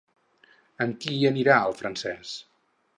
Amb qui hi anirà el francès?